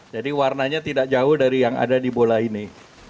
jadi warnanya tidak jauh dari yang ada di bola ini